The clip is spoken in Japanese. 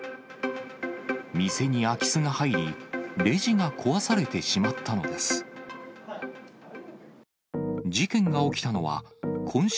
店に空き巣が入り、レジが壊されてしまったのです。